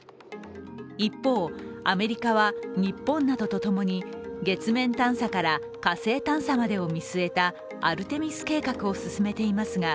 一方、アメリカは日本などと共に月面探査から火星探査までを見据えたアルテミス計画を進めていますが